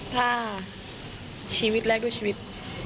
ถ้าชีวิตแรกด้วยชีวิต